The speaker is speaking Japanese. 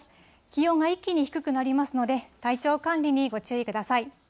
気温が一気に低くなりますので、体調管理にご注意ください。